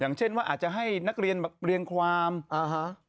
เช่นว่าอาจจะให้นักเรียนเรียงความอ่าฮะ